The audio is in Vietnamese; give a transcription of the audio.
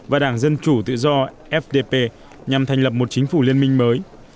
và đảng dân chủ tự do fdp nhằm thành lập một chính phủ liên minh mới